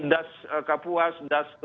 das kapuas das ketutupan